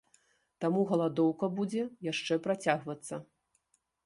Таму галадоўка будзе яшчэ працягвацца.